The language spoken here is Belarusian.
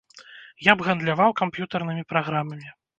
Я б гандляваў камп'ютарнымі праграмамі.